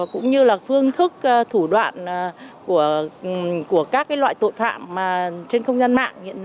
cũng như là phương thức thủ đoạn của các loại tội phạm trên không gian mạng